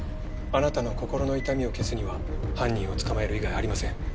あなたの心の痛みを消すには犯人を捕まえる以外ありません。